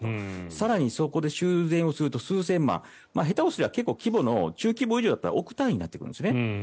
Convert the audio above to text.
更に、そこで修繕をすると数千万下手をすると中規模以上だと億単位になってくるんですね。